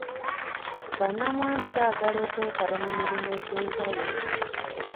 Bannamwandu baagala okwetaba mu mirimu egy'enjawulo.